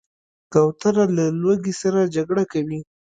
کوتره له لوږې سره جګړه کوي.